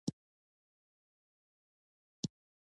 ازادي راډیو د د ځنګلونو پرېکول په اړه تاریخي تمثیلونه وړاندې کړي.